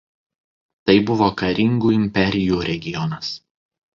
Tai buvo karingų imperijų regionas.